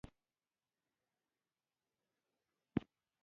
د حاصل د لوړوالي لپاره د خاورې کيمیاوي جوړښت باید سمبال شي.